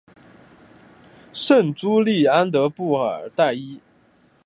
圣朱利安德布尔代伊。